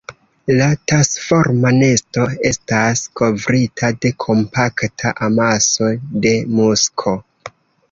La tasforma nesto estas kovrita de kompakta amaso de musko.